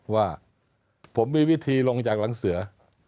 ว่าผมมีวิธีลงจากหลังเสือ